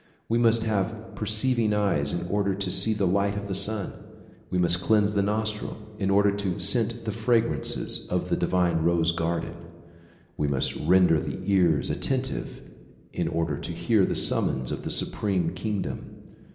We must have perceiving eyes in order to see the light of the sun. We must cleanse the nostril in order to scent the fragrances of the divine rose garden. We must render the ears attentive in order to hear the summons of the supreme king dom.